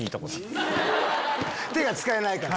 手が使えないから。